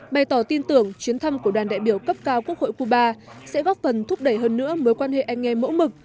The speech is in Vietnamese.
bày tỏ tin tưởng chuyến thăm của đoàn đại biểu cấp cao quốc hội cuba sẽ góp phần thúc đẩy hơn nữa mối quan hệ anh em mẫu mực